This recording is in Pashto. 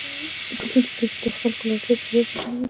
توکي د خلکو له اړتیاوو څخه زیات تولیدېږي